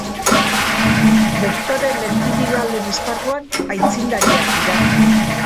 Bektore lentibiralen esparruan aitzindariak dira.